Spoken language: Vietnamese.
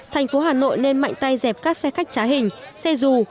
thành phố hà nội nên mạnh tay dẹp các xe khách trá hình xe dù